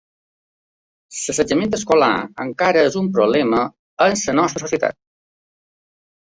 L'assetjament escolar encara és un problema en la nostra societat.